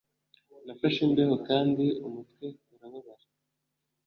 Nafashe imbeho kandi umutwe urababara.